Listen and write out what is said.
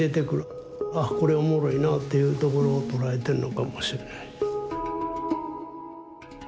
あっこれおもろいなっていうところを捉えてんのかもしれない。